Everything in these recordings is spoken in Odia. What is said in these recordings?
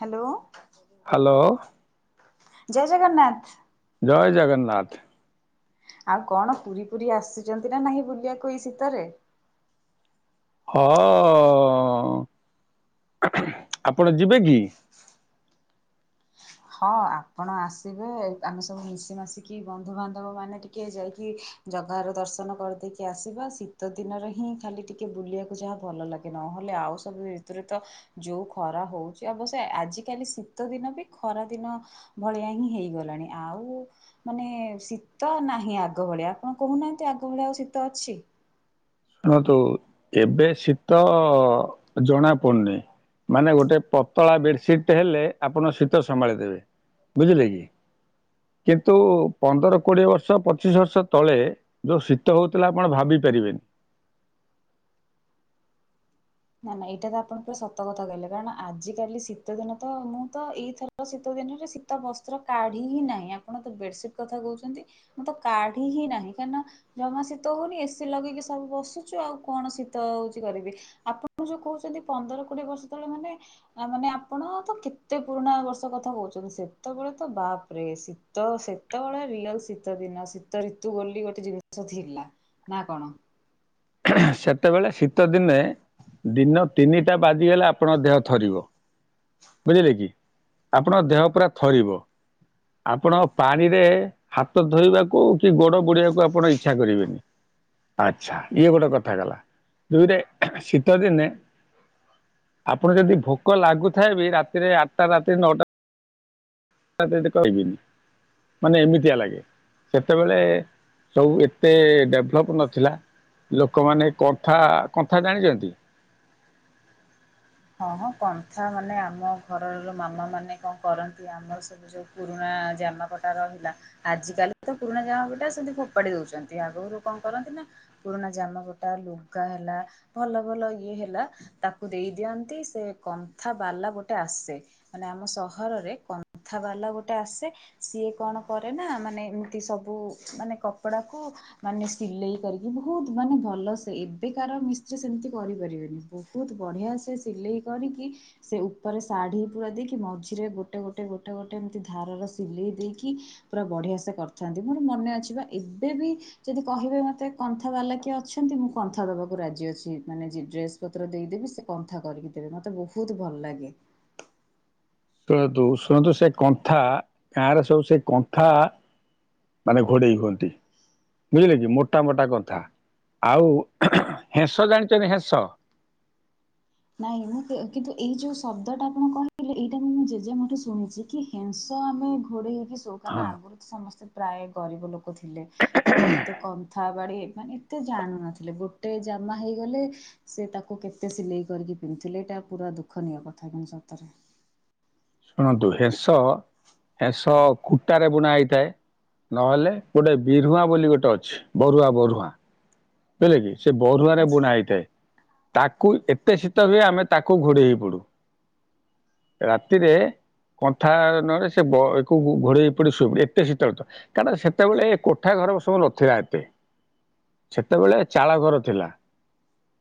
Hello hello. ଜୟ ଜଗନ୍ନାଥ। ଜୟ ଜଗନ୍ନାଥ‌ ଆଉ କଣ ପୁରୀ ପୁରୀ ଆସିଚନ୍ତି ନାଁ ନାହିଁ ବୁଲିବାକୁ ଏଇ ଶୀତରେ? ହଁ ଆପଣ ଯିବେ କି? ହଁ ଆପଣ ଆସିବେ ଆମେ ସବୁ ମିଶି ମାସିକି ବନ୍ଧୁବାନ୍ଧବ ମାନେ ଟିକେ ଯାଇକି ଜଗାର ଦର୍ଶନ କରିଦେଇକି ଆସିବା ଶୀତ ଦିନରେ ହିଁ ଖାଲି ଟିକେ ବୁଲିବାକୁ ଯାହା ଭଲ ଲାଗେ ନହେଲେ ଆଉ ସବୁ ଋତୁରେତ ଯୋଉ ଖରା ହଉଛି ଅବଶ୍ୟ ଆଜିକାଲି ଶୀତ ଦିନବି ଖରା ଦିନ ଭଳିଆ ହିଁ ହେଇଗଲାଣି ଆଉ ମାନେ ଶୀତ ନାହିଁ ଆଗ ଭଳିଆ ଆପଣ କୋହୁନାହାନ୍ତି, ଆଗ ଭଳିଆ ଆଉ ଶୀତ ଅଛି। ଶୁଣନ୍ତୁ ଏବେ ଶୀତ ଜଣା ପଡୁନି ମାନେ ଗୋଟେ ପତଳା ବେଡସିଟେ ହେଲେ ଆପଣ ଶୀତ ସମ୍ଭାଳି ଦେବେ ବୁଝିଲେକି କିନ୍ତୁ ପନ୍ଦର କୋଡିଏ ବର୍ଷ ପଚିଶ ବର୍ଷ ତଳେ ଯୋଉ ଶୀତ ହଉଥିଲା ଆପଣ ଭାବି ପାରିବେନି। ନା ନା ଏଇଟା ତ ଆପଣ ପୁରା ସତ କଥା କହିଲେ କାରଣ ଆଜ କାଲି ଶୀତ ଦିନ ତ ମୁଁ ତ ଏଇଥର ଶୀତ ଦିନରେ ଶୀତ ବସ୍ତ୍ର କାଢି ହିଁ ନାହିଁ ଆପଣ ତ ବେଡସିଟ କଥା କହୁଛନ୍ତି। ମୁଁ ତ କାଢି ହିଁ ନାହିଁ କାହିଁକିନା ଜମା ଶୀତ ହଉନି ଏସି ଲଗେଇକି ସବୁ ବସୁଛଚୁ ଆଉ କଣ ଶୀତ ହୋଉଛି କରିବି ଆପ ଆପଣ ଯୋଉ କହୁଛନ୍ତି ପନ୍ଦର କୋଡିଏ ବର୍ଷ ତଳେ ମାନେ ମାନେ ଆପଣ ତ କେତେ ପୁରୁଣା ବର୍ଷ କଥା କହୁଛନ୍ତି ସେତେବେଳେ ତ ବାପରେ ଶୀତ ସେତେବେଳେ ରିଅଲ ଶୀତ ଦିନ ଶୀତ ଋତୁ ବୋଲି ଗୋଟେ ଜିନିଷ ଥିଲା ନା କଣ ସେତେବେଳେ ଶୀତ ଦିନେ ଦିନ ତିନିଟା ବାଜିଗଲେ ଆପଣଙ୍କ ଦେହ ଥରିବ ବୁଝିଲେ କି ଆପଣଙ୍କ ଦେହ ପୁରା ଥରିବ ଆପଣ ପାଣିରେ ହାତ ଧୋଇବାକୁ କି ଗୋଡ ବୁଡେଇିବାକୁ ଆପଣ ଇଚ୍ଛା କରିବେନି ଆଚ୍ଛା। ଇଏ ଗୋଟେ କଥା କଲା [unintelligible] ଦୁଇରେ ଶୀତ ଦିନେ ଆପଣ ଯଦି ଭୋକ ଲାଗୁଥାଏ ବି ରାତିରେ ଆଠଟା ରାତିରେ ନଅଟା ଯଦି କହିବିନି ମାନେ ଏମିତିଆ ଲାଗେ ସେତେବେଳେ ସବୁ ଏତେ ଡେଭଲପ୍ ନଥିଲା ଲୋକମାନେ କନ୍ଥା କନ୍ଥା ଜାଣିଛନ୍ତି। ହଁ ହଁ କନ୍ଥା ମାନେ ଆମ ଘରର ମାମା ମାନେ କଣ କରନ୍ତି ଆମର ସବୁ ଯୋଉ ପୁରୁଣା ଜାମାପଟା ରହିଲା ଆଜିକାଲି ତ ପୁରୁଣା ଜାମା ପଟା ସେମିତି ଫୋପାଡି ଦଉଛନ୍ତି ଆଗରୁ କଣ କରନ୍ତି ନା ପୁରୁଣା ଜାମା ପଟା ଲୁଗା ହେଲା ଭଲ ଭଲ ଇଏ ହେଲା ତାକୁ ଦେଇ ଦିଅ ନ୍ତି ସେ କନ୍ଥା ବାଲା ଗୋଟେ ଆସେ ମାନେ ଆମ ସହରରେ କନ୍ଥା ବାଲା ଗୋଟେ ଆସେ ସିଏ କଣ କରେ ନା ମାନେ ଏମିତି ସବୁ ମାନେ କପଡାକୁ ମାନେ ସିଲେଇ କରିକି ବହୁତ ମାନେ ଭଲ ସେ ଏବେକାର ମିସ୍ତ୍ରୀ ସେମତି କରିପାରିବେନି ବହୁତ ବଢିଆ ସେ ସିଲେଇ କରିକି ସେ ଉପରେ ଶାଢୀ ପୁରା ଦେଇକି ମଝିରେ ଗୋଟେ ଗୋଟେ ଗୋଟେ ଗୋଟେ ଏମିତି ଧାର ର ସିଲେଇ ଦେଇକି ପୁରା ବଢିଆ ସେ କରିଥାନ୍ତି ମୋର ମନେ ଅଛି ବା ଏବେ ବି ଯଦି କହିବେ ମତେ କନ୍ଥା ବାଲା କିଏ ଅଛନ୍ତି ମୁଁ କନ୍ଥା ଦବାକୁ ରାଜି ଅଛି ମାନେ ଡେସ ପତ୍ର ଦେଇଦେବି ସେ କ ନ୍ଥା କରିକି ଦେବେ ମତେ ବହୁତ ଭଲ ଲାଗେ। ଶୁଣନ୍ତୁ ଶୁଣନ୍ତୁ ସେ କନ୍ଥା ଗାଁ ରେ ସବୁ ସେ କନ୍ଥା ମାନେ ଘୋଡେଇ ହୁଅନ୍ତି ବୁଝିଲେ କି ମୋଟା ମୋଟା କନ୍ଥା ଆଉ ହେନ୍ସ ଜାଣିଛଛନ୍ତି ହେନ୍ସ ନାଇଁ ମୁଁ କିନ୍ତୁ ଏଇ ଯୋଉ ଶବ୍ଦ ଟା ଆପଣ କହିଥିଲେ ଏଇଟା ମୁଁ ମୁଁ ଜେଜେ ମାଠୁ ଶୁଣିଛି କି ହେନ୍ସ ଆମେ ଘୋଡେଇ ଶୋଉ କାରଣ ହଁ ନା ଆଗରୁ ତ ସମସ୍ତେ ପ୍ରାୟ ଗରିବ ଲୋକ ଥିଲେ ତ ଏତେ କନ୍ଥା ବାଡ଼େଇ ମାନେ ଏତେ ଜାଣୁ ନଥିଲେ ଗୋଟେ ଜାମା ହେଇଗଲେ ସେ ତାକୁ କେତେ ସିଲେଇ କରିକି ପିନ୍ଧିଥିଲେ ଏଇଟା ପୁରା ଦୁଃଖନୀୟ କଥା କିନ୍ତୁ ସତରେ ଶୁଣନ୍ତୁ ହେନ୍ସ ମେନ୍ସ କୁଟାରେ ବୁଣା ହେଇଥାଏ ନହେଲେ ଗୋଟେ ବିରୁଆଁ ବୋଲି ଗୋଟେ ଅଛି ବରୁହାଃ ବରୁହାଃ ବୁଝିଲେ କି ସେ ବରହାଃ ରେ ଆଚ୍ଛା। ବୁଣା ହେଇଥାଏ। ତାକୁ ଏତେ ଶୀତ ଯେ ଆମେ ତାକୁ ଘୋଡେଇ ହେଇ ପଡୁ। ରାତିରେ କନ୍ଥା ନହେଲେ ସେ [unintelligible] ବଡକୁ ଘୋଡେଇ ପଡି ଶୋଇବ ଏତେ ଶୀତଳ କାରଣ ସେତେବେଳେ ଏ କୋଠା ଘର ସବୁ ନଥିଲା ଏତେ ସେତେବେଳେ ଚାଳ ଘର ଥିଲା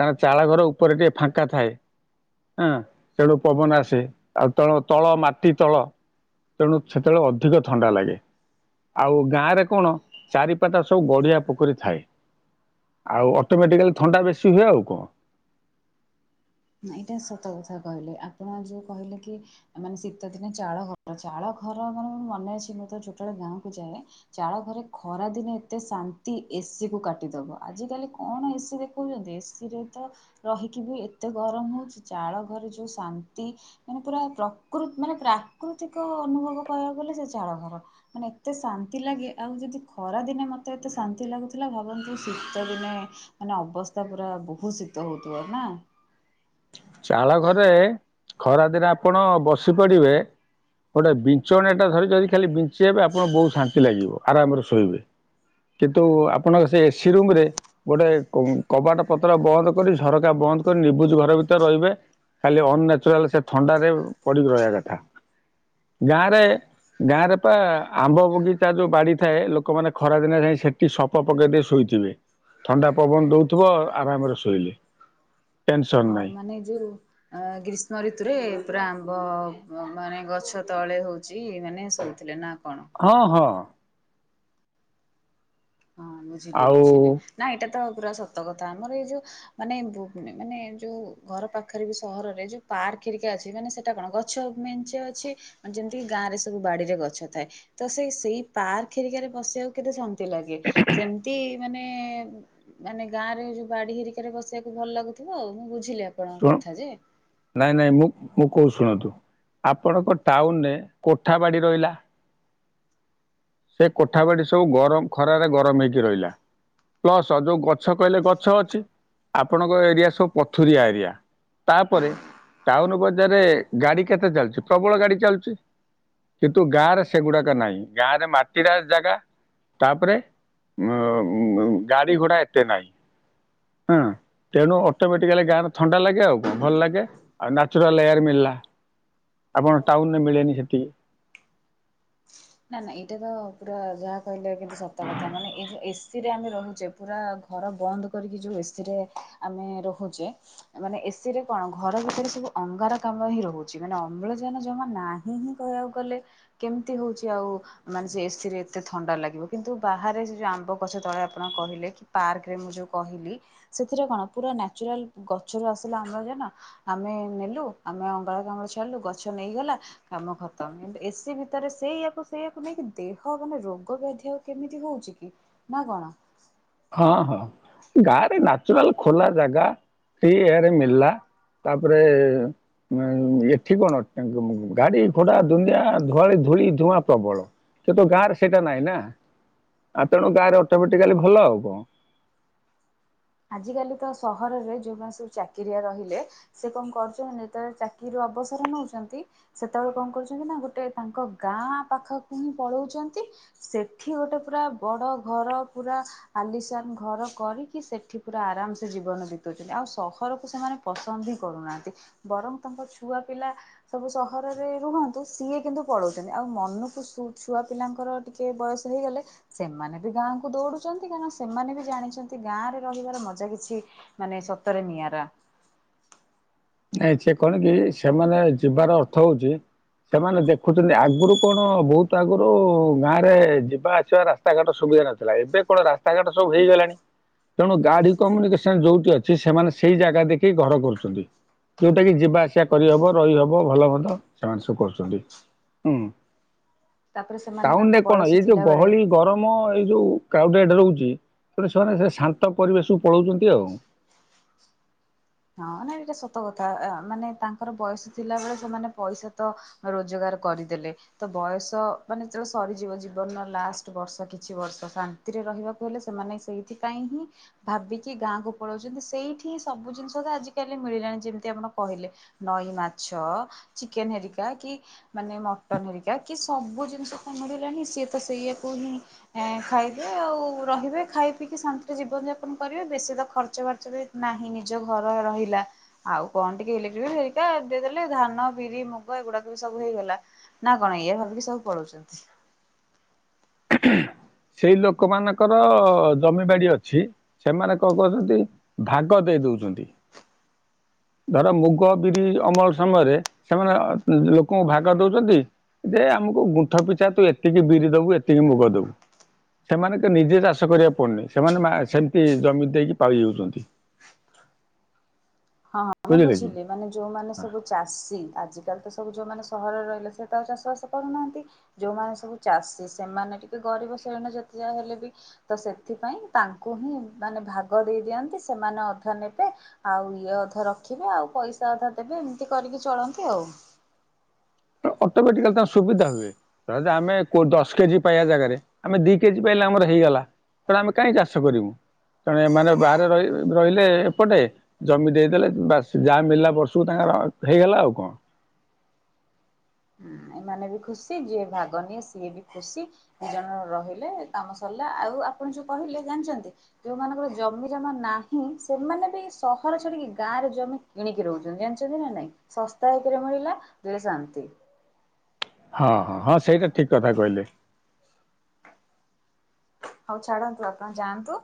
କାରଣ ଚାଳ ଘର ଉପରେ ଟିକେ ଫାଙ୍କା ଥାଏ ଆଂ ସେଟୁ ପବନ ଆସେ। ଆଉ ତଳ ତଳ ମାଟି ତଳ ତେଣୁ ସେତେବେଳେ ଅଧିକ ଥଣ୍ଡା ଲାଗେ ଆଉ ଗାଁ ରେ କଣ ଚାରିପାଖ ସବୁ ଗଢିଆ ପୋଖରୀ ଥାଏ ଆଉ ଅଟୋମେଟିକାଲି ଥଣ୍ଡା ବେଶୀ ହୁଏ ଆଉ କଣ ଏଇଟା ସତ କଥା କହିଲେ ଆପଣ ଯୋଉ କହିଲେ କି ମାନେ ଶୀତ ଦିନ ଚାଳ ଘର ଚାଳ ଘର ମାନେ ମୋର ମନେ ଅଛି ମୁଁ ଯେତେବେଳେ ଛୋଟବେଳେ ଗାଁ କୁ ଯାଏ ଚାଳ ଘରେ ଖରା ଦିନେ ଏତେ ଶାନ୍ତି ଏସିି କୁ କାଟିଦବ ଆଜିିକାଲି କଣ ଏସିି ଦେଖଉଛନ୍ତି ଏସିରେ ତ ରହିକି ବି ଏତେ ଗରମ ହଉଛି ଚାଳ ଘରେ ଯୋଉ ଶାନ୍ତି ମାନେ ପୁରା ପ୍ରକୃ ମାନେ ପ୍ରାକୃତିକ ଅନୁଭବ କହିବାକୁ ଗଲେ ସେ ଚାଳ ଘର ମାନେ ଏତେ ଶାନ୍ତି ଲାଗେ ଆଉ ଯଦି ଖରା ଦିନେ ମତେ ଏତେ ଶାନ୍ତି ଲାଗୁଥିଲା ଭାବନ୍ତୁ ଶୀତ ଦିନେ ମାନେ ଅବସ୍ଥା ପୁରା ବହୁତ ଶୀତ ହଉଥିବ ନା ଚାଳ ଘରେ ଖରାଦିନେ ଆପଣ ବସି ପଡିବେ ଗୋଟେ ବିଞ୍ଚଣ ଟା ଧରି ଯଦି ଖାଲି ବିଞ୍ଚି ଯବେ ଆପଣ ବହୁତ ଶାନ୍ତି ଲାଗିବ ଆରାମରେ ଶୋଇବେ କିନ୍ତୁ ଆପଣଙ୍କ ସେ ଏସି ରୁମ ରେ ଗୋଟେ କବାଟ ପତ୍ର ବନ୍ଦ କରି ଝରକା ବନ୍ଦ କରି ନିବୁଜ ଘର ଭି ତରେ ରହିବେ ଖାଲି ଅନନ୍ୟଚୁରାଲ ସେ ଥଣ୍ଡାରେ ପଡିକି ରହିବା କଥା ଗାଁରେ ଗାଁରେ ପା ଆମ୍ବ ବଗିଚା ଯୋଉ ବାଡି ଥାଏ ଲୋକମାନେ ଖରା ଦିନେ ଯାଇ ସେଠି ସପ ପକେଇ ଦେଇ ଶୋଇଥିବେ ଥଣ୍ଡା ପବନ ଦଉଥିବ ଆରାମରେ ଶୋଇଲେ। ଟେନସନ୍ ହଁ ନାଇଁ ମାନେ ଯୋଉ ଗ୍ରୀଷ୍ମ ଋତୁରେ ପୁରା ଆମ୍ବ ମାନେ ଗଛ ତଳେ ହଉଛି ମାନେ ଶୋଇଥିଲେ ନା କଣ? ଓହୋ ହଁ ବୁଝିଲି ଆଉ ବୁଝିଲି ନା ଏଇଟା। ପୁରା ସତ କଥା ଆମର ଏଇ ଯୋଉ ମାନେ ମାନେ ଯୋଉ ଘର ପାଖରେ ବି ସହରରେ ଯୋଉ ପାର୍କ ଫେରିକା ଅଛି ମାନେ ସେଟା କଣ ଗଛ ମେଞ୍ଚେ ଅଛି ଯେମିତି କିି ଗାଁ ରେ ସବୁ ବାଡିରେ ଗଛ ଥାଏ। ତ ସେଇ ସେଇ ପାର୍କେରିକାରେ ବସିବାକୁ କେତେ ଶାନ୍ତି ଲାଗେ। ସେମିତି ମାନେ ମାନେ ଗାଁ ରେ ଯୋଉ ବାଡି ହେରିକାରେ ବସେଇିବାକୁ ଭଲ ଲାଗୁଥିବ ଆଉ। ମୁଁ ବୁଝିଲି ଆଉ। ଶୁଣ ନାଇଁ ନାଇଁ ମୁ ମୁଁ କହୁ ଶୁଣନ୍ତୁ ଆପଣଙ୍କ ଟାଉନରେ କୋଠା ବାଡି ରହିଲା। ସେ କୋଠା ବାଡି ସବୁ ଗରମ ଖରାରେ ଗରମ ହେଇକି ରହିଲା ପ୍ଲସ ଯୋଉ ଗଛ କହିଲେ ଗଛ ଅଛି ଆପଣଙ୍କ ଏରିଆ ସବୁ ପଥୁରିଆ ଏରିଆ ତାପରେ ଟାଉନ ବଜାରରେ ଗାଡି କେତେ ଚାଲିଛି ପ୍ରବଳ ଗାଡି ଚାଲୁଛି କିନ୍ତୁ ଗାଁ ରେ ସେଗୁଡାକ ନାହିଁ ଗାଁରେ ମାଟି। ଚିଡା ଜାଗା ତାପରେ ଉ ଗାଡି ଘୋଡା ଏତେ ନାହିଁ ହଁ ତେଣୁ ଅଟୋମେଟିକାଲି ଗାଁ ଥଣ୍ଡା ଲାଗେ ଆଉ କଣ ଭଲ ଲାଗେ ନାଚୁରାଲ ଏୟାର ମିଳିଲା ଆପଣ ଟାଉନରେ ମିଳେନି ସେତିକି। ନା ନା ଏଇଟା ତ ପୁରା ଯାହା କହିଲେ କିନ୍ତୁ ସତ କଥା ମାନେ ଏଇଯଉ ଏସି। ଏସିରେ ଆମେ ରହୁଛେ ପୁରା ଘର ବନ୍ଦ କରିକି ଯୋଉ ଏସି ରେ ଆମେ ରହୁଛେ ମାନେ ଏସିରେ କଣ ଘର ଭିତରେ ସବୁ ଅଙ୍ଗାରକାମ୍ଳା ହିଁ ରହୁଛି ମାନେ ଅମ୍ଳଜାନ ଜମା ନାହିଁ ହିଁ କହିବାକୁ ଗଲେ କେମିତି ହଉଛି। ଆଉ ମାନେ ସେ ଏସି ରେ ଏତେ ଥଣ୍ଡା ଲାଗିବ କିନ୍ତୁ ବାହାରେ ସେ ଯୋଉ ଆମ୍ବ ଗଛ ତଳେ ଆପଣ କହିଲେ କି ପାର୍କରେ ମୁଁ ଯୋଉ କହିଲି ସେଥିରେ କଣ ପୁରା ନ୍ୟଚୁରାଲ ଗଛରୁ ଆସିଲା ଆମ୍ଳଯାନ ଆମେ ନେଲୁ ଆମେ ଅଙ୍ଗାରକାମ୍ଳ ଛାଡିଲୁ ଗଛ ନେଇଗଲା କାମ ଖତମ କିୁ ଏସିି ଭିତରେ ସେଇ। ସେଇଆକୁ ନେଇକି ଦେହ ମାନେ ରୋଗ ବ୍ୟାଧି ଆଉ କେମିତି ହଉଛି କି ନା କଣ। ହଁ ହଁ ଗାଁରେ ନାଚୁରାଲ ଖୋଲା ଜାଗା ଫ୍ରି ଏୟାର ମଳିଲା ତାପରେ ଉ ଏଠି କଣ ଗାଡି ଘୋଡା ଦୁନିଆ ଧୁଆଳି ଧୂଳି ଧୂଆଁ ପ୍ରବଳ କିନ୍ତୁ ଗାଁରେ ସେଇଟା ନାହିଁ ନା ତେଣୁ ଗାଁ ରେ ଅଟୋମେଟିକାଲି ଭଲ ଆଉ କୁ ଆଜିକାଲି ତ ସହରରେ ଯୋଉମାନେ ସବୁ ଚାକିରିଆ ରହିଲେ ସେ କଣ କରୁଛନ୍ତି ଯେତେବେଳେ ଚାକିରିରୁ ଅବସର ନଉଛନ୍ତି ସେତେବେଳେ କଣ କରୁଛନ୍ତି ନା ଗୋଟେ ତାଙ୍କ ଗାଁ ପାଖକୁ ହିଁ ପଳଉଛନ୍ତି ସେଠି ଗୋଟେ ପୁରା ବଡ ଘର ପୁରା ଆଲିସାନ ଘର କରିକି ସେ। ଏଠି ପୁରା ଆରାମ ସେ ଜୀବନ ବିତାଉଛନ୍ତି ଆଉ ସହରକୁ ସେମାନେ ପସନ୍ଦ ହି କରୁନାହାନ୍ତି ବରଂ ତାଙ୍କ ଛୁଆ ପିଲା ସବୁ ସହରରେ ରୁହନ୍ତୁ ସିଏ କିନ୍ତୁ ପଳଉଛନ୍ତି ଆଉ ମନକୁ ଛୁଆ ପିଲାଙ୍କର ଟିକେ ବୟସ ହେଇଗଲେ ସେମାନେ ବି ଗାଁ କୁ ଦୌଡୁଛନ୍ତି କାରଣ ସେମାନେ ବି ଜାଣିଛନ୍ତି ଗାଁରେ। ରହିବାର ମଜା କିଛି ମାନେ ସତରେ ନିଆରା। ଆଛା ସେ କଣ କି ସେମାନେ ଯିବାର ଅର୍ଥ ହଉଛି ସେମାନେ ଦେଖୁଛନ୍ତି ଆଗରୁ କଣ ବହୁତ ଆଗରୁ ଗାଁରେ ଯିବା ଆସିବା ରାସ୍ତାଘାଟ ସୁବିଧା ନଥିଲା ଏବେ କଣ ରାସ୍ତାଘାଟ ସବୁ ହେଇଗଲାଣି ତେଣୁ ଗାଡି କମ୍ୟୁନିକେସନ ଯୋଉଠି ଅଛି ସେମାନେ ସେଇ ଜାଗା ଦେଖିକି ଘର କରୁଛନ୍ତି। ଯୋଉଟା କି ଯିବା ଆସିବା କରିହବ ରହିହବ ଭଲ ମନ୍ଦ ସେମାନେ ସବୁ କରୁଛନ୍ତି ହୁଁ। ତାପରେ ସେମାନେ ଟାଉନ ରେ ତାଙ୍କ କଣ ବୟସ ଏଇ ଯୋଉ ଥିଲାବେଳେ ଗହଳି ଗରମ। ଯୋଉ କ୍ରାଉଡେଡ଼୍ ରହୁଛି ତଣୁ ସେମାନେ ସେ ଶାନ୍ତ ପରିବେଶକୁ ପଳାଉଛନ୍ତି ଆଉ। ହଁ ନାଇ ଏଇଟା ସତ କଥା ମାନେ ତାଙ୍କର ବୟସ ଥିଲା ବଳେ ସେମାନେ ପଇସା ତ ରୋଜଗାର କରିଦେଲେ ତ ବୟସ ମାନେ ଯେତେବେଳେ ସରିଯିବ ଜୀବନର ଲାଷ୍ଟ ବର୍ଷ କିଛି ବର୍ଷ ଶାନ୍ତିରେ ରହିବାକୁ ହେଲେ ସେମାନେ ସେଇଥିପାଇଁ ହିଁ ଭାବିକି ଗାଁକୁ ପଳଉଛନ୍ତି ସେଇଠି ହିଁ ସବୁ ଜିନିଷ ଆଜିକାଲି ମିଳିଲାଣି ଯେମିତି ଆପଣ କହିଲେ ନଈ ମାଛ ଚିକେନ ହେରିକା କି ମାନେ ମଟନ ହେରିକା କି ସବୁ ଜିନିଷ ତ ମିଳିଲାଣି ସିଏ ତ ସେଇଆାକୁ ହିଁ ଖାଇବେ ଆଉ ରହିବେ ଖାଇ ପିଇକି ଶାନ୍ତିରେ ଜୀବନ ଯାପନ କରିବେ ବେଶୀ ତ ଖର୍ଚ ବାର୍ଚ୍ଚ ବି ନାହିଁ ନିଜ। ନିଜଘର ରହିଲା ଆଉ କଣ ଟିକେ ଇଲେଟ୍ରି ବିଲ୍ ହେରିକା ଦେଇଦେଲେ ଧାନ ବିରି ମୁଗ ଏଗୁଡାକ ବି ସବୁ ହେଇଗଲା ନା କଣ ଏଇଆ ଭାବିକି ସବୁ ପଳଉଛନ୍ତି। ସେଇ ଲୋକମାନାନଙ୍କର ଜମିବାଡି ଅଛି ସେମାନେ କଣ କହୁଛନ୍ତି ଭାଗ ଦେଇ ଦଉଛନ୍ତି ଧର ମୁଗ ବିରି ଅମଳ ସମୟରେ ସେମାନେ ଲୋକଙ୍କୁ ଭାଗ ଦଉଛନ୍ତି ଯେ ଆମକୁ ଗୁଣ୍ଠ ପିଛା ତୁ ଏତିକି ବିରି ଦବୁ ଏତିକି ମୁଗ ଦବୁ। ସେମାନେ ତ ନିଜେ ଚାଷ କରିବାକୁ ପଡୁନି ସେମାନେ ସେମିତି ଜମି ଦେଇକି ପାଇ ଯାଉଛନ୍ତି। ହଁ ହଁ ମୁଁ ବୁଝିଲି ମାନେ ଯୋଉମାନେ ସବୁ ଚାଷୀ ଆଜିକାଲି ତ। ସବୁ ଯୋଉମାନେ ସହରରେ ରହିଲେ ସେ ତ ଆଉ ଚାଷ ବାସ କରୁନାହାନ୍ତି ଯୋଉମାନେ ସବୁ ଚାଷୀ ସେମାନେ ଟିକେ ଗରିବ ଶ୍ରେଣୀ ଯେତେ ଯାହା ହେଲେ ବି ତ ସେଥିପାଇଁ ତାଙ୍କୁ ହିଁ ମାନେ ଭାଗ ଦେଇ ଦିଅନ୍ତି ସେମାନେ ଅଧା ନେବେ ଆଉ। ଇଏ ଅଧା ରଖିବେ ଆଉ ପଇସା ଅଧା ଦେବେ ଏମିତି କରିକି ଚଳନ୍ତି ଆଉ। ଣ ଅଟୋମେଟିକାଲି ତାଙ୍କ ସୁବିଧା ହୁଏଣ ଆମେ କ ଦଶ କେଜି ପାଇବା ଜାଗାରେ ଆମେ ଦି କେଜି ପାଇଲେ ଆମର ହେଇଗଲା ତେଣୁ ଆମେ କାହିଁ ଚାଷ କରିବୁ ତେଣୁ ଏମାନେ ବାହାରେ ର ରହିଲେ ଏପଟେ ଜମି ଦେଇଦେଲେ ବା ଯାହା ମଳିଲା ବର୍ଷକୁ ତାଙ୍କର ହେଇଗଲା ଆଉ କଣ। ଏମାନେ ବି ଖୁସି ଯିଏ ଭାଗ ନିଏ ସିଏ ବି ଖୁସି ଦି ଜଣ ରହିଲେ କାମ ସରିଲା ଆଉ ଆପଣ ଯୋଉ କହିଲେ ଜାଣିଛନ୍ତି ଯୋଉମାନଙ୍କର ଜମି ଜମା ନାହିଁ ସେମାନେ ବି ସହର ଛାଡିକି ଗାଁ ରେ ଜମି କିଣିକି ରହୁଛନ୍ତି ଜାଣିଛନ୍ତି ନା ନାଇଁ ଶସ୍ତା ଏକରେ ମିଳିଲା ଦୁଇରେ ଶାନ୍ତି। ହଁ ହଁ ହଁ ସେଇଟା ଠିକ କଥା କହିଲେ। ହଉ ଛାଡନ୍ତୁ ଆପଣ ଯାଆନ୍ତୁ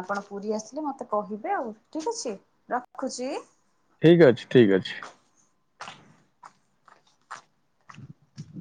ଆପଣ ପୁରୀ ଆସିଲେ ମତେ କହିବେ ଆଉ ଠିକ ଅଛି ରଖୁଛି। ଠିକ୍ ଅଛି ଠିକ୍ ଅଛି। [inaudible]